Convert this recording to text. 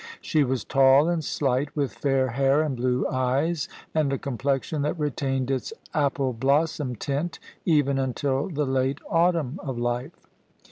She was tall and slight, with fair hair and blue eyes, and a complexion that retained its apple blossom tint even until the late autumn of life.